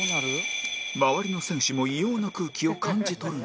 周りの選手も異様な空気を感じ取る中